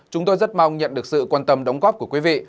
chúng tôi rất mong nhận được sự quan tâm đóng góp của quý vị